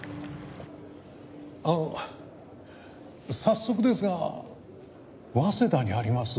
あの早速ですが早稲田にあります